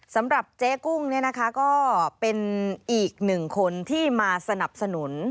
สำหรับเจ๊กุ้งก็เป็นอีก๑คนที่มาสนับสนุน